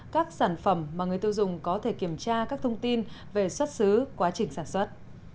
các sản phẩm mà người tiêu dùng có thể kiểm tra các thông tin về xuất xứ quá trình sản xuất